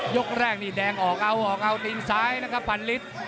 ยกแรกนี่แดงออกอ่อตีนสายนะครับฟันฤษ